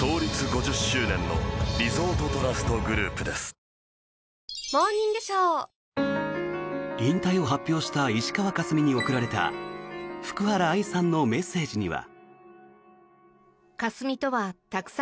三井アウトレットパーク三井不動産グループ引退を発表した石川佳純に贈られた福原愛さんのメッセージには。